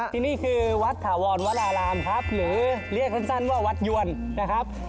ที่นี่คือวัดถาวรวรารามครับหรือเรียกสั้นว่าวัดยวนนะครับ